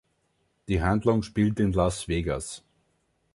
Die Handlung spielt in Las Vegas.